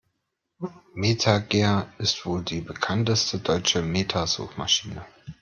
MetaGer ist die wohl bekannteste deutsche Meta-Suchmaschine.